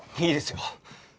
いいですよ。